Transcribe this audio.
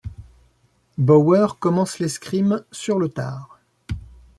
Bauer commence l'escrime sur le tard.